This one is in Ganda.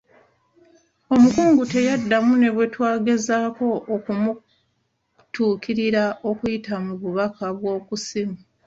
Omukungu teyaddamu ne bwe twagezaako okumutuukirira okuyita mu bubaka bw'oku ssimu.